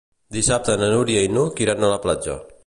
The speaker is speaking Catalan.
Dissabte na Núria i n'Hug iran a la platja.